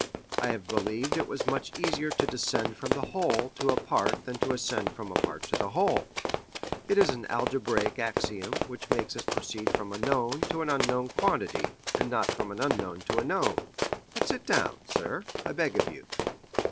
I have believed it was much easier to descend from the whole to a part than to ascend from a part to the whole. It is an algebraic axiom, which makes us proceed from a known to an unknown quantity, and not from an unknown to a known; but sit down, sir, I beg of you."